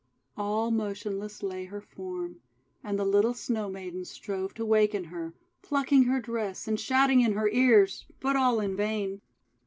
All motionless lay her form; and the little Snow Maiden strove to waken her, plucking her dress, and shouting in her ears, but all in vain.